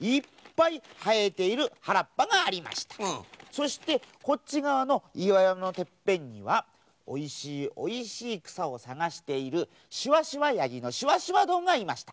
そしてこっちがわのいわやまのてっぺんにはおいしいおいしいくさをさがしているしわしわヤギのしわしわどんがいました。